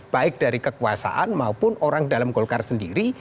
baik dari kekuasaan maupun orang dalam golkar sendiri